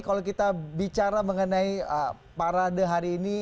kalau kita bicara mengenai parade hari ini